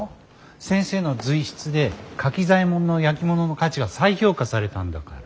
先生の随筆で柿左衛門の焼き物の価値が再評価されたんだから。